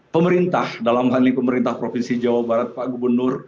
pemerintah dalam hal ini pemerintah provinsi jawa barat pak gubernur